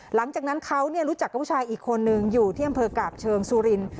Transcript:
หลังจากนั้นเขารู้จักกับผู้ชายอีกคนนึงอยู่ที่อำเภอกาบเชิงสุริน